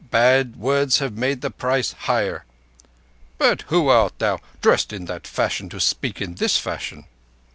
"Bad words have made the price higher. But who art thou, dressed in that fashion, to speak in this fashion?"